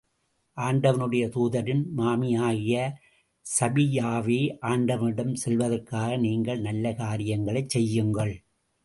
ஆண்டவனுடைய தூதரின் மாமியாகிய ஸபிய்யாவே ஆண்டவனிடம் செல்வதற்காக நீங்கள் நல்ல காரியங்களைச் செய்யுங்கள்.